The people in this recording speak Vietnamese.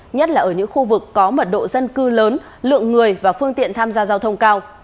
nhất là ở những khu vực có mật độ dân cư lớn lượng người và phương tiện tham gia giao thông cao